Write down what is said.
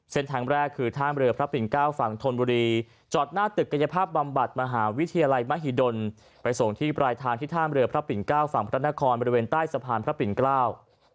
เส้นทางแรกคือท่ามเรือพระปิ่นเก้าฝั่งธนบุรีจอดหน้าตึกกายภาพบำบัดมหาวิทยาลัยมหิดลไปส่งที่ปลายทางที่ท่ามเรือพระปิ่นเก้าฝั่งพระนครบริเวณใต้สะพานพระปิ่นเกล้า